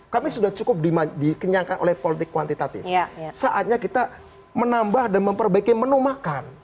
kami sudah cukup dikenyangkan oleh politik kuantitatif saatnya kita menambah dan memperbaiki menu makan